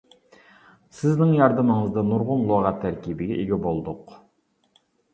سىزنىڭ ياردىمىڭىزدە نۇرغۇن لۇغەت تەركىبىگە ئىگە بولدۇق.